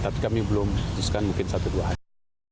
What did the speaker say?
tapi kami belum justru kan mungkin satu dua hari